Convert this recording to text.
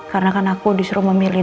karena kan aku disuruh memilih